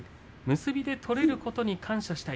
結びで取れることに感謝したい。